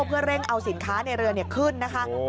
เพื่อเร่งเอาสินค้าในเรือขึ้นนะคะ